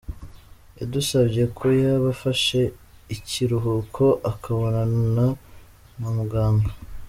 Yadusabye ko yaba afashe ikiruhuko akabonana na muganga.